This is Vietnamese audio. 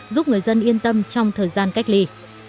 giúp người dân yên tâm trong thời gian cách ly